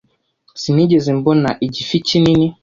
Sinigeze mbona igifi kinini.